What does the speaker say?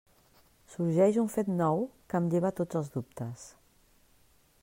Sorgeix un fet nou que em lleva tots els dubtes.